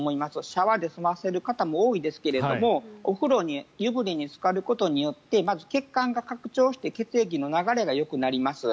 シャワーで済ませる方も多いですけれどもお風呂に湯船につかることによってまず血管が拡張して血液の流れがよくなります。